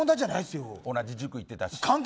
同じ塾行っていたし。